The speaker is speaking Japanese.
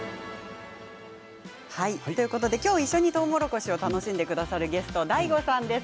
きょう一緒にとうもろこしを楽しんでくださるゲストのＤＡＩＧＯさんです。